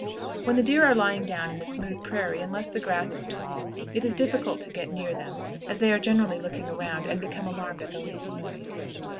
When the deer are lying down in the smooth prairie, unless the grass is tall, it is difficult to get near them, as they are generally looking around, and become alarmed at the least noise.